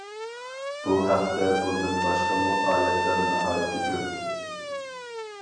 بۇ ھەقتە بۇندىن باشقىمۇ ئايەتلەر ناھايىتى كۆپ.